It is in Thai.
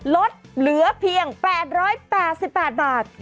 ลดเหลือเพียง๘๘บาท